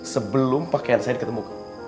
sebelum pakaian saya diketemu